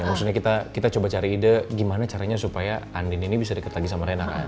maksudnya kita coba cari ide gimana caranya supaya andin ini bisa dekat lagi sama rena kan